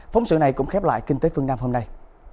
phóng sự này cũng khép lại kinh tế phương nam hôm nay